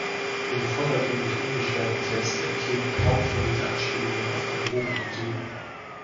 Ihre vordergründig unbeschwerten Texte enthielten kaum verhüllte Anspielungen auf den Drogenkonsum.